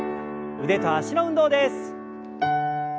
腕と脚の運動です。